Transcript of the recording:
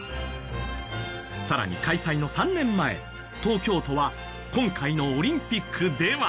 さらに開催の３年前東京都は今回のオリンピックでは。